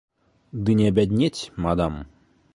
Ды не абяднець, мадам!